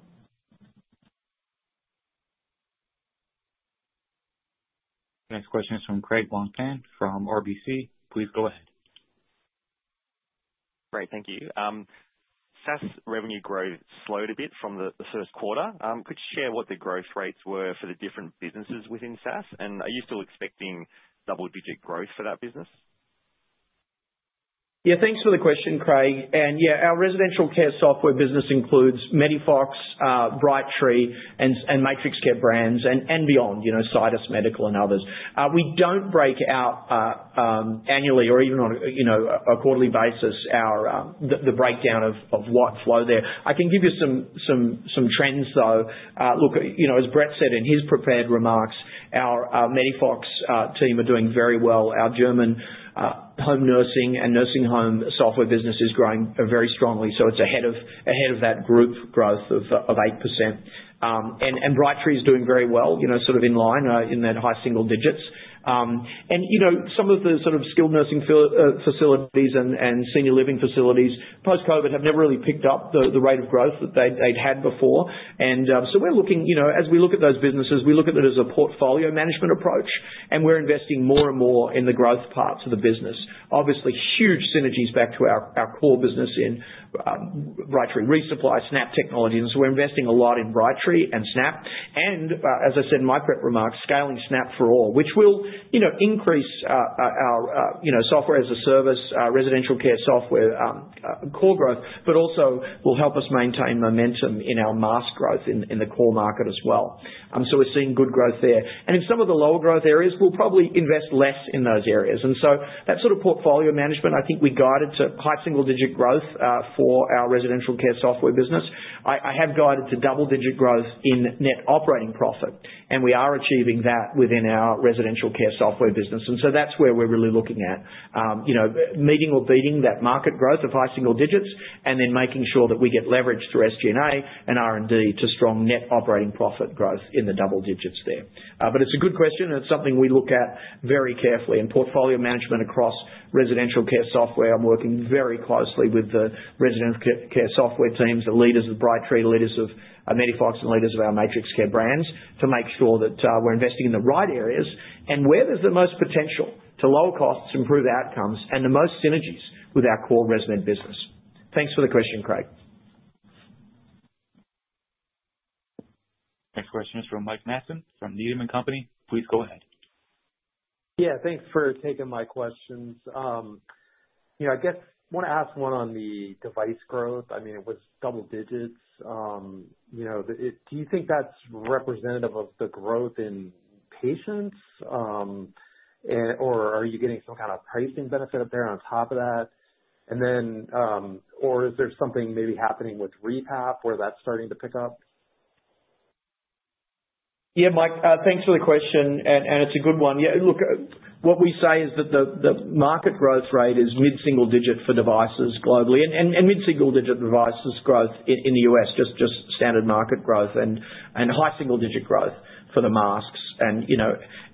Next question is from Craig Bijou from RBC. Please go ahead. Great. Thank you. SAS revenue growth slowed a bit from the first quarter. Could you share what the growth rates were for the different businesses within SAS? And are you still expecting double-digit growth for that business? Yeah. Thanks for the question, Craig. And yeah, our residential care software business includes MEDIFOX, Brightree, and MatrixCare brands and beyond, Citus Medical and others. We don't break out annually or even on a quarterly basis the breakdown of what flow there. I can give you some trends, though. Look, as Brett said in his prepared remarks, our MEDIFOX team are doing very well. Our German home nursing and nursing home software business is growing very strongly. So it's ahead of that group growth of 8%. And Brightree is doing very well sort of in line in that high single digits. And some of the sort of skilled nursing facilities and senior living facilities post-COVID have never really picked up the rate of growth that they'd had before. And so we're looking as we look at those businesses. We look at it as a portfolio management approach, and we're investing more and more in the growth parts of the business. Obviously, huge synergies back to our core business in Brightree resupply, Snap Technology. And so we're investing a lot in Brightree and Snap. And as I said in my prepared remarks, scaling Snap for all, which will increase our software as a service, residential care software core growth, but also will help us maintain momentum in our SaaS growth in the core market as well. So we're seeing good growth there. And in some of the lower growth areas, we'll probably invest less in those areas. And so that sort of portfolio management, I think we guided to high single-digit growth for our residential care software business. I have guided to double-digit growth in net operating profit. And we are achieving that within our residential care software business. And so that's where we're really looking at meeting or beating that market growth of high single digits and then making sure that we get leverage through SG&A and R&D to strong net operating profit growth in the double digits there. But it's a good question, and it's something we look at very carefully. And portfolio management across residential care software, I'm working very closely with the residential care software teams, the leaders of Brightree, the leaders of MediFox, and leaders of our MatrixCare brands to make sure that we're investing in the right areas and where there's the most potential to lower costs, improve outcomes, and the most synergies with our core resident business. Thanks for the question, Craig. Next question is from Mike Matson from Needham & Company. Please go ahead. Yeah. Thanks for taking my questions. I guess I want to ask one on the device growth. I mean, it was double digits. Do you think that's representative of the growth in patients, or are you getting some kind of pricing benefit there on top of that? Or is there something maybe happening with RePAP where that's starting to pick up? Yeah, Mike, thanks for the question. And it's a good one. Yeah. Look, what we say is that the market growth rate is mid-single digit for devices globally. And mid-single digit devices growth in the US, just standard market growth and high single-digit growth for the masks. And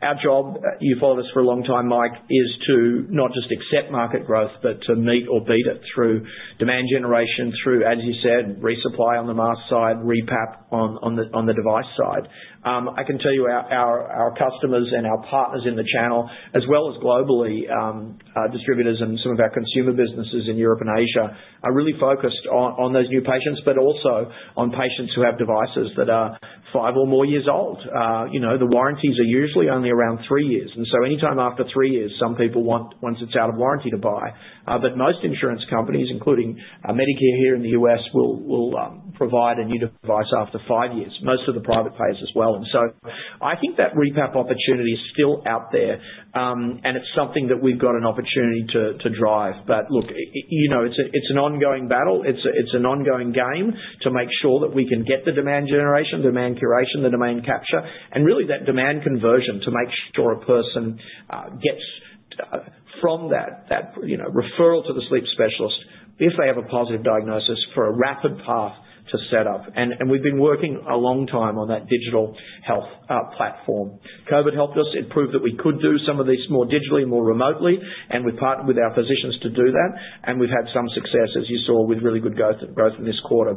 our job, you've followed us for a long time, Mike, is to not just accept market growth but to meet or beat it through demand generation, through, as you said, resupply on the mask side, RePAP on the device side. I can tell you our customers and our partners in the channel, as well as globally, distributors and some of our consumer businesses in Europe and Asia, are really focused on those new patients but also on patients who have devices that are five or more years old. The warranties are usually only around three years. And so anytime after three years, some people want, once it's out of warranty, to buy. But most insurance companies, including Medicare here in the U.S., will provide a new device after five years, most of the private players as well. And so I think that RePAP opportunity is still out there, and it's something that we've got an opportunity to drive. But look, it's an ongoing battle. It's an ongoing game to make sure that we can get the demand generation, demand curation, the demand capture, and really that demand conversion to make sure a person gets from that referral to the sleep specialist if they have a positive diagnosis for a rapid path to set up. And we've been working a long time on that digital health platform. COVID helped us. It proved that we could do some of this more digitally, more remotely. We've partnered with our physicians to do that. We've had some success, as you saw, with really good growth in this quarter.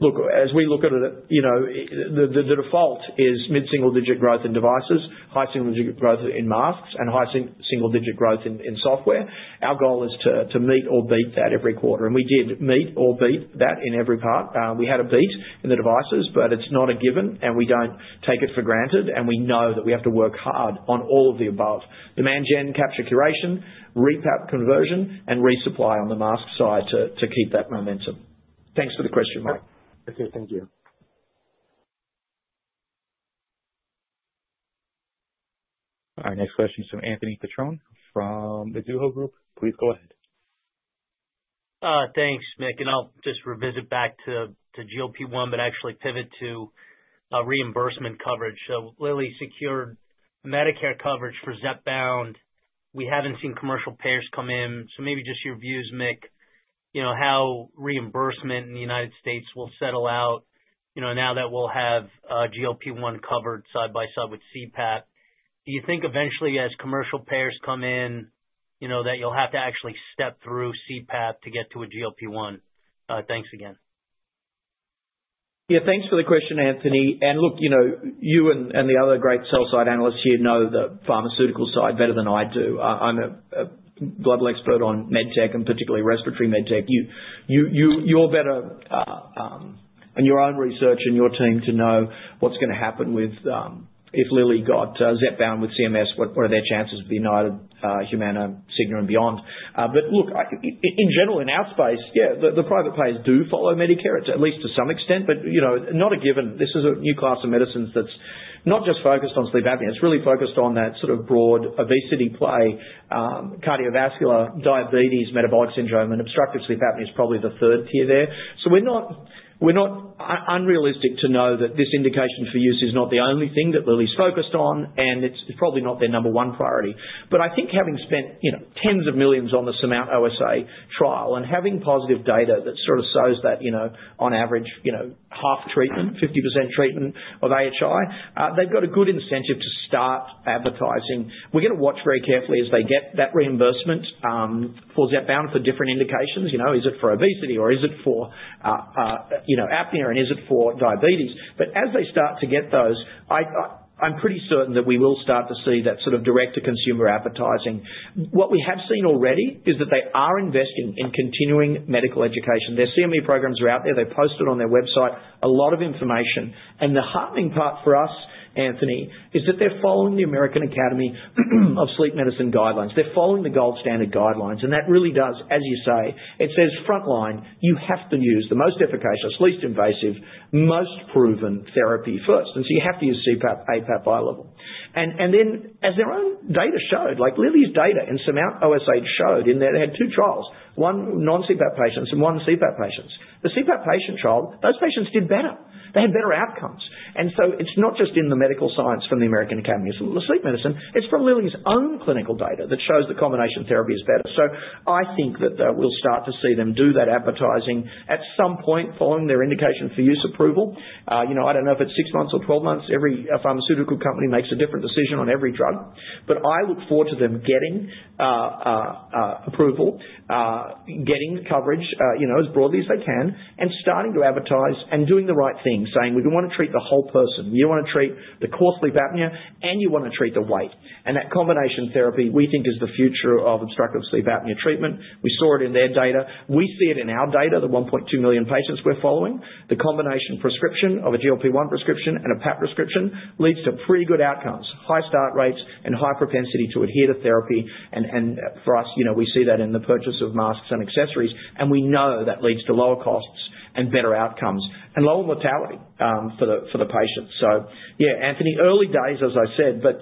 Look, as we look at it, the default is mid-single digit growth in devices, high single digit growth in masks, and high single digit growth in software. Our goal is to meet or beat that every quarter. We did meet or beat that in every part. We had a beat in the devices, but it's not a given, and we don't take it for granted. We know that we have to work hard on all of the above: demand gen capture, curation, RePAP conversion, and resupply on the mask side to keep that momentum. Thanks for the question, Mike. Okay. Thank you. All right. Next question is from Anthony Petrone from the Mizuho Group. Please go ahead. Thanks, Mick. And I'll just revisit back to GLP-1 but actually pivot to reimbursement coverage. So Lilly secured Medicare coverage for Zepbound. We haven't seen commercial payers come in. So maybe just your views, Mick, how reimbursement in the United States will settle out now that we'll have GLP-1 covered side by side with CPAP. Do you think eventually, as commercial payers come in, that you'll have to actually step through CPAP to get to a GLP-1? Thanks again. Yeah. Thanks for the question, Anthony. And look, you and the other great sell-side analysts here know the pharmaceutical side better than I do. I'm a global expert on med tech and particularly respiratory med tech. You're better on your own research and your team to know what's going to happen if Lilly got Zepbound with CMS. What are their chances with United, Humana, Cigna, and beyond? But look, in general, in our space, yeah, the private players do follow Medicare, at least to some extent, but not a given. This is a new class of medicines that's not just focused on sleep apnea. It's really focused on that sort of broad obesity play, cardiovascular, diabetes, metabolic syndrome, and obstructive sleep apnea is probably the third tier there. So we're not unrealistic to know that this indication for use is not the only thing that Lilly's focused on, and it's probably not their number one priority. But I think having spent tens of millions on the SURMOUNT-OSA trial and having positive data that sort of shows that on average, half treatment, 50% treatment of AHI, they've got a good incentive to start advertising. We're going to watch very carefully as they get that reimbursement for Zepbound for different indications. Is it for obesity, or is it for apnea, and is it for diabetes? But as they start to get those, I'm pretty certain that we will start to see that sort of direct-to-consumer advertising. What we have seen already is that they are investing in continuing medical education. Their CME programs are out there. They post it on their website, a lot of information. The heartening part for us, Anthony, is that they're following the American Academy of Sleep Medicine guidelines. They're following the gold standard guidelines. And that really does, as you say, it says frontline, you have to use the most efficacious, least invasive, most proven therapy first. And so you have to use CPAP, APAP, bi-level. And then, as their own data showed, like Lilly's data and SURMOUNT-OSA showed in that they had two trials, one non-CPAP patients and one CPAP patients. The CPAP patient trial, those patients did better. They had better outcomes. And so it's not just in the medical science from the American Academy of Sleep Medicine. It's from Lilly's own clinical data that shows the combination therapy is better. So I think that we'll start to see them do that advertising at some point following their indication for use approval. I don't know if it's six months or 12 months. Every pharmaceutical company makes a different decision on every drug. But I look forward to them getting approval, getting coverage as broadly as they can, and starting to advertise and doing the right thing, saying, "We don't want to treat the whole person. You want to treat the core sleep apnea, and you want to treat the weight." And that combination therapy, we think, is the future of obstructive sleep apnea treatment. We saw it in their data. We see it in our data, the 1.2 million patients we're following. The combination prescription of a GLP-1 prescription and a PAP prescription leads to pretty good outcomes, high start rates, and high propensity to adhere to therapy. And for us, we see that in the purchase of masks and accessories. And we know that leads to lower costs and better outcomes and lower mortality for the patients. So yeah, Anthony, early days, as I said, but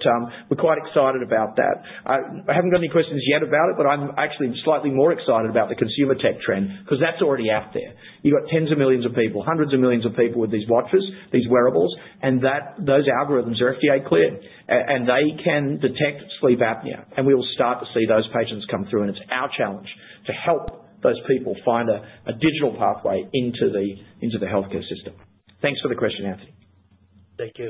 we're quite excited about that. I haven't got any questions yet about it, but I'm actually slightly more excited about the consumer tech trend because that's already out there. You've got tens of millions of people, hundreds of millions of people with these watches, these wearables, and those algorithms are FDA-cleared. And they can detect sleep apnea. And we will start to see those patients come through. And it's our challenge to help those people find a digital pathway into the healthcare system. Thanks for the question, Anthony. Thank you.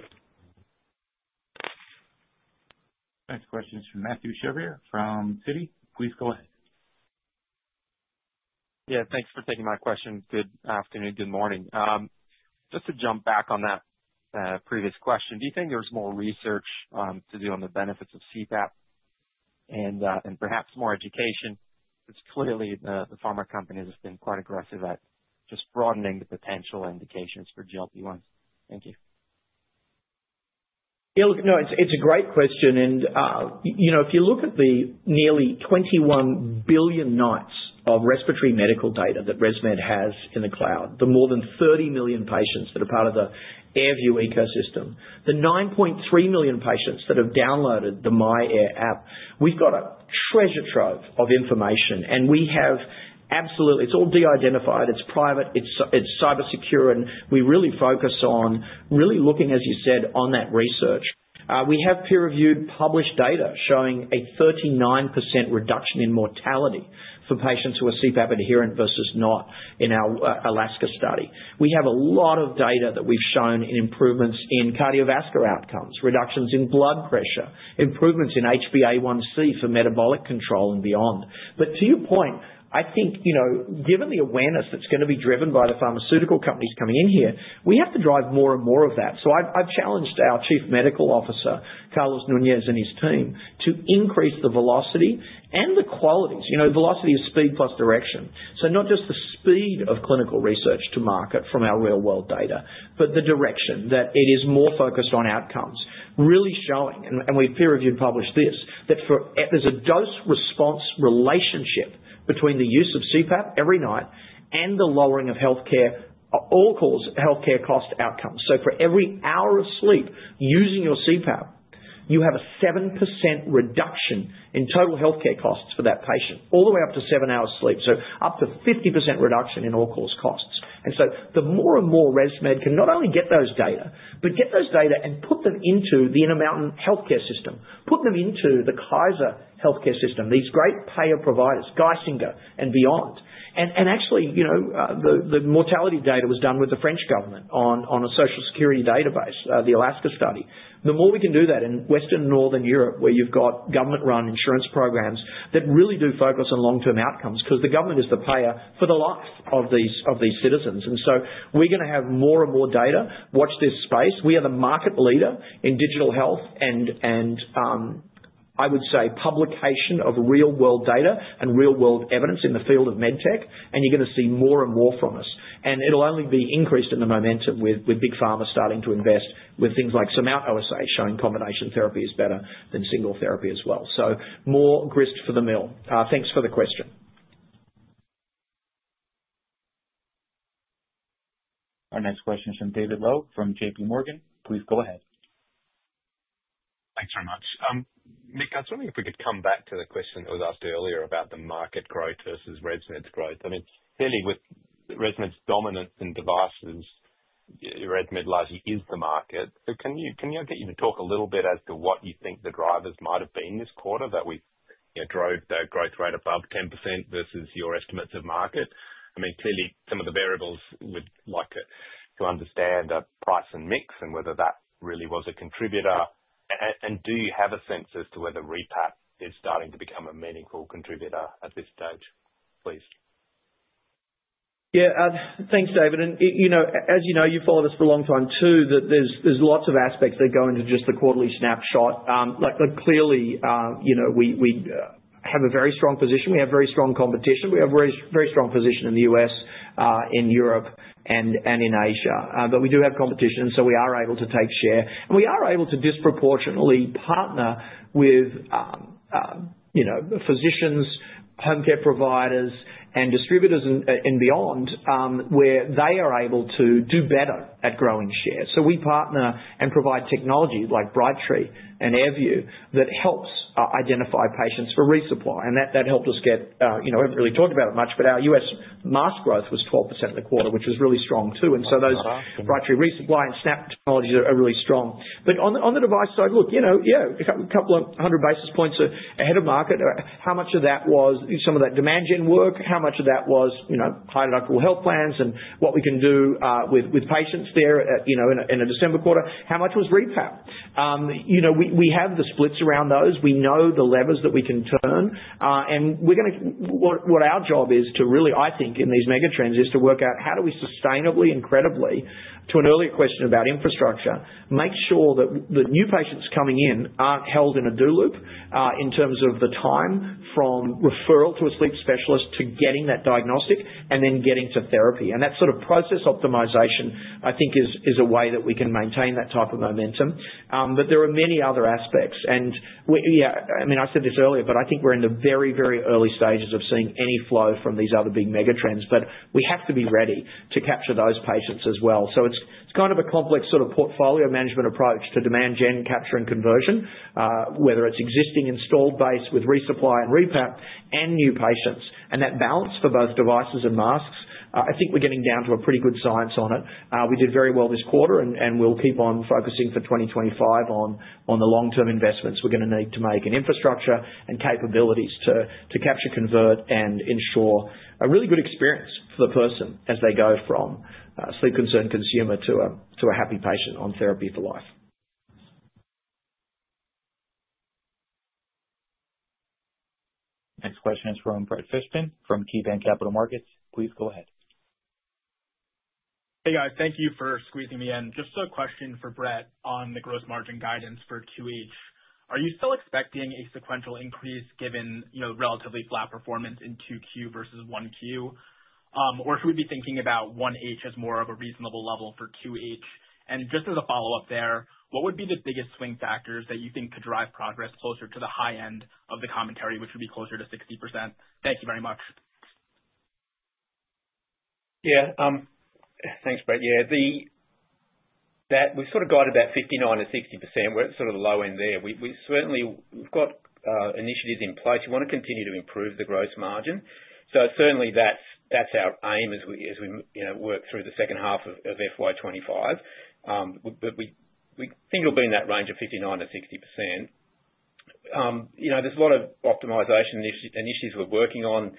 Next question is from Matthew Schaefer from Citi. Please go ahead. Yeah. Thanks for taking my question. Good afternoon. Good morning. Just to jump back on that previous question, do you think there's more research to do on the benefits of CPAP and perhaps more education? It's clearly the pharma companies have been quite aggressive at just broadening the potential indications for GLP-1s. Thank you. Yeah. Look, no, it's a great question and if you look at the nearly 21 billion nights of respiratory medical data that ResMed has in the cloud, the more than 30 million patients that are part of the AirView ecosystem, the 9.3 million patients that have downloaded the myAir app, we've got a treasure trove of information. And we have. Absolutely, it's all de-identified. It's private. It's cybersecure. And we really focus on really looking, as you said, on that research. We have peer-reviewed published data showing a 39% reduction in mortality for patients who are CPAP adherent versus not in our ALASKA study. We have a lot of data that we've shown in improvements in cardiovascular outcomes, reductions in blood pressure, improvements in HbA1c for metabolic control and beyond. But to your point, I think given the awareness that's going to be driven by the pharmaceutical companies coming in here, we have to drive more and more of that. So I've challenged our Chief Medical Officer, Carlos Nunez, and his team to increase the velocity and the qualities, velocity of speed plus direction. So not just the speed of clinical research to market from our real-world data, but the direction that it is more focused on outcomes, really showing, and we've peer-reviewed published this, that there's a dose-response relationship between the use of CPAP every night and the lowering of healthcare cost outcomes. So for every hour of sleep using your CPAP, you have a 7% reduction in total healthcare costs for that patient, all the way up to seven hours of sleep. So up to 50% reduction in all-cause costs. The more and more ResMed can not only get those data but get those data and put them into the Intermountain Healthcare system, put them into the Kaiser healthcare system, these great payer providers, Geisinger and beyond. Actually, the mortality data was done with the French government on a social security database, the Alaska study. The more we can do that in Western and Northern Europe, where you've got government-run insurance programs that really do focus on long-term outcomes because the government is the payer for the life of these citizens. We're going to have more and more data. Watch this space. We are the market leader in digital health and, I would say, publication of real-world data and real-world evidence in the field of med tech. You're going to see more and more from us. It'll only be increased in the momentum with big pharma starting to invest with things like SURMOUNT-OSA showing combination therapy is better than single therapy as well. More grist for the mill. Thanks for the question. Our next question is from David Low from JPMorgan. Please go ahead. Thanks very much. Mick, I was wondering if we could come back to the question that was asked earlier about the market growth versus ResMed's growth. I mean, clearly, with ResMed's dominance in devices, ResMed largely is the market. So can I get you to talk a little bit as to what you think the drivers might have been this quarter that drove the growth rate above 10% versus your estimates of market? I mean, clearly, some of the variables. Would like to understand the price and mix and whether that really was a contributor. And do you have a sense as to whether RePAP is starting to become a meaningful contributor at this stage? Please. Yeah. Thanks, David. And as you know, you've followed us for a long time too, that there's lots of aspects that go into just the quarterly snapshot. Clearly, we have a very strong position. We have very strong competition. We have a very strong position in the U.S., in Europe, and in Asia. But we do have competition, and so we are able to take share. And we are able to disproportionately partner with physicians, home care providers, and distributors and beyond where they are able to do better at growing share. So we partner and provide technology like Brightree and AirView that helps identify patients for resupply. And that helped us get, haven't really talked about it much, but our U.S. mask growth was 12% in the quarter, which was really strong too. And so those Brightree resupply and Snap technologies are really strong. But on the device side, look, yeah, a couple of hundred basis points ahead of market. How much of that was some of that demand gen work? How much of that was high-deductible health plans and what we can do with patients there in a December quarter? How much was RePAP? We have the splits around those. We know the levers that we can turn. And what our job is to really, I think, in these megatrends is to work out how do we sustainably and credibly, to an earlier question about infrastructure, make sure that the new patients coming in aren't held in a do loop in terms of the time from referral to a sleep specialist to getting that diagnostic and then getting to therapy. And that sort of process optimization, I think, is a way that we can maintain that type of momentum. There are many other aspects. Yeah, I mean, I said this earlier, but I think we're in the very, very early stages of seeing any flow from these other big megatrends. We have to be ready to capture those patients as well. It's kind of a complex sort of portfolio management approach to demand gen capture and conversion, whether it's existing installed base with Resupply and RePAP and new patients. That balance for both devices and masks, I think we're getting down to a pretty good science on it. We did very well this quarter, and we'll keep on focusing for 2025 on the long-term investments we're going to need to make in infrastructure and capabilities to capture, convert, and ensure a really good experience for the person as they go from a sleep-concerned consumer to a happy patient on therapy for life. Next question is from Brett Fishbin from KeyBanc Capital Markets. Please go ahead. Hey, guys. Thank you for squeezing me in. Just a question for Brett on the gross margin guidance for 2H. Are you still expecting a sequential increase given relatively flat performance in 2Q versus 1Q? Or should we be thinking about 1H as more of a reasonable level for 2H? And just as a follow-up there, what would be the biggest swing factors that you think could drive progress closer to the high end of the commentary, which would be closer to 60%? Thank you very much. Yeah. Thanks, Brett. Yeah. We've sort of got about 59%-60%. We're at sort of the low end there. We've got initiatives in place. We want to continue to improve the gross margin. So certainly, that's our aim as we work through the second half of FY25. But we think it'll be in that range of 59%-60%. There's a lot of optimization initiatives we're working on.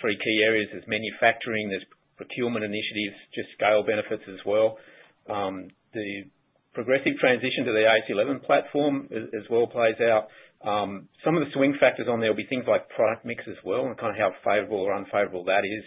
Three key areas: there's manufacturing, there's procurement initiatives, just scale benefits as well. The progressive transition to the AS11 or AirCurve 11 platform as well plays out. Some of the swing factors on there will be things like product mix as well and kind of how favorable or unfavorable that is.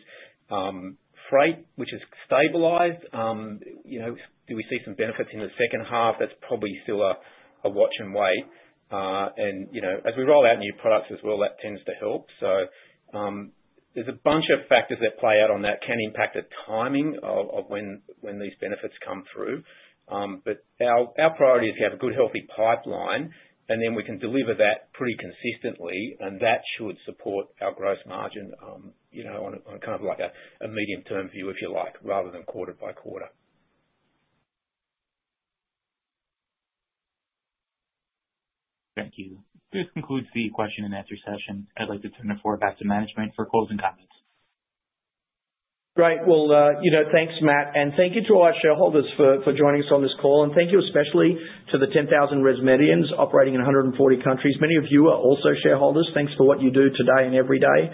Freight, which has stabilized, do we see some benefits in the second half? That's probably still a watch and wait. And as we roll out new products as well, that tends to help. So there's a bunch of factors that play out on that can impact the timing of when these benefits come through. But our priority is to have a good, healthy pipeline, and then we can deliver that pretty consistently. And that should support our gross margin on kind of like a medium-term view, if you like, rather than quarter by quarter. Thank you. This concludes the question and answer session. I'd like to turn the floor back to management for closing comments. Great. Well, thanks, Matt. And thank you to our shareholders for joining us on this call. And thank you especially to the 10,000 ResMedians operating in 140 countries. Many of you are also shareholders. Thanks for what you do today and every day.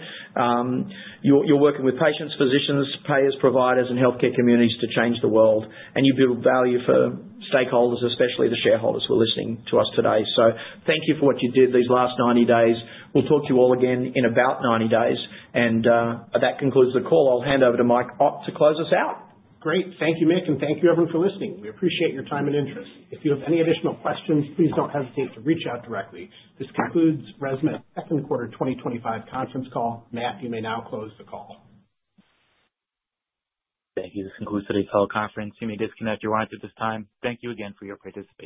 You're working with patients, physicians, payers, providers, and healthcare communities to change the world. And you build value for stakeholders, especially the shareholders who are listening to us today. So thank you for what you did these last 90 days. We'll talk to you all again in about 90 days. And that concludes the call. I'll hand over to Mike Ott to close us out. Great. Thank you, Mick. And thank you, everyone, for listening. We appreciate your time and interest. If you have any additional questions, please don't hesitate to reach out directly. This concludes ResMed's Second Quarter 2025 Conference Call. Matt, you may now close the call. Thank you. This concludes today's teleconference. You may disconnect your lines at this time. Thank you again for your participation.